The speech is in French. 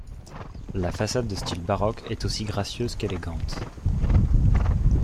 La façade de style baroque est aussi gracieuse qu’élégante.